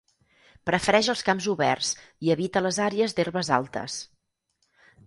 Prefereix els camps oberts i evita les àrees d'herbes altes.